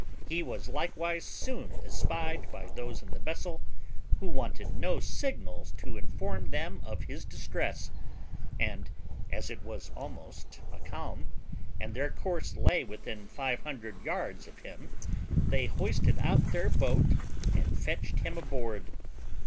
He was likewise soon espied by those in the vessel, who wanted no signals to inform them of his distress, and, as it was almost a calm, and their course lay within five hundred yards of him, they hoisted out their boat and fetched him aboard.